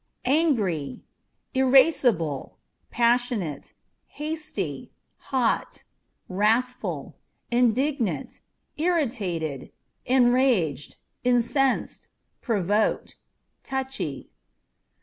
Angry â€" irascible, passionate, hasty, hot, wrathful, indignant, irritated, enraged, incensed, provoked, touchy.